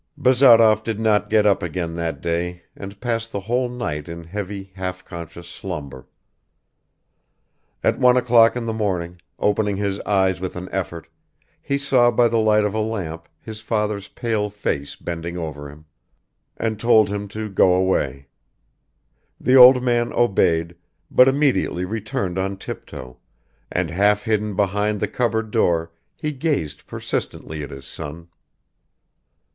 Bazarov did not get up again that day and passed the whole night in heavy half conscious slumber. At one o'clock in the morning, opening his eyes with an effort, he saw by the light of a lamp his father's pale face bending over him, and told him to go away; the old man obeyed, but immediately returned on tiptoe, and half hidden behind the cupboard door he gazed persistently at his son.